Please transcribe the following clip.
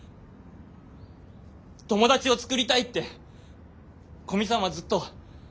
友達を作りたいって古見さんはずっと。